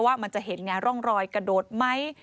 ว่ามันจะเห็นไงร่องรอยกระโดดไหม